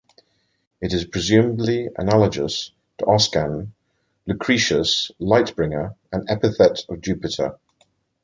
It is presumably analogous to Oscan "Loucetius" 'light-bringer', an epithet of Jupiter.